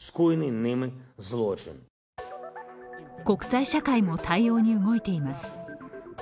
国際社会も対応に動いています。